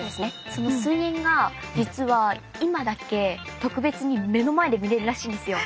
その水煙が実は今だけ特別に目の前で見れるらしいんですよ。